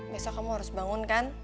biasa kamu harus bangun kan